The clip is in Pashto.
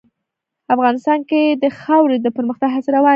افغانستان کې د خاوره د پرمختګ هڅې روانې دي.